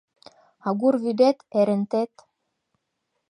Агур вӱдет — Ерентет